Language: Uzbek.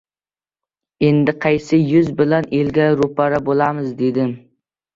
— Endi qaysi yuz bilan elga ro‘para bo‘lamiz?— dedim.